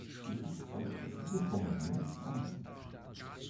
Wichtig ist eine präzise Formulierung des Anliegens.